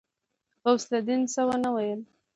غوث الدين څه ونه ويل.